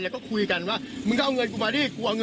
แล้วก็คุยกันว่ามึงก็เอาเงินกูมาดิ